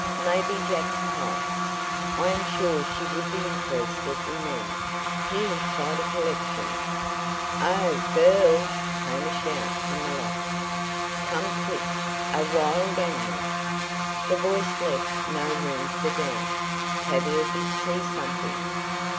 "Maybe Jack's pipes. I am sure she would be interested in them. He has quite a collection." "Oh! G i r l s!" came a shout from the loft. "Come quick! A wild animal!" The voice left no room for doubt. Tavia did see something.